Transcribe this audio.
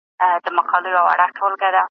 پوښتنه د پوهي کلي ده.